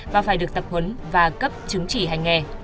và phải được tập huấn và cấp chứng chỉ hành nghề